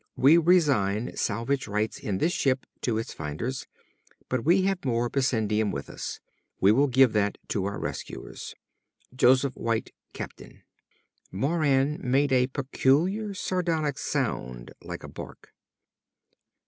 We resign salvage rights in this ship to its finders, but we have more bessendium with us. We will give that to our rescuers._ "Jos. White, Captain." Moran made a peculiar, sardonic sound like a bark.